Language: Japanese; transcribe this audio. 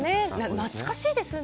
懐かしいですね。